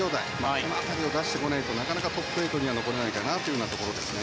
この辺りを出してこないとなかなかトップ８には残れないかなと。